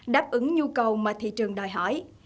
đáp ứng nhu cầu mà thị trường đòi hỏi